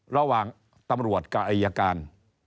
ระหว่างตำรวจกับอายการ